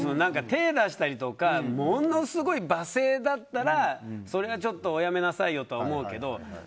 手を出したりとかものすごい罵声だったらそれはちょっとおやめなさいよと思うけど。